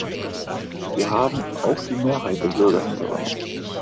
Wir haben auch die Mehrheit der Bürger hinter uns.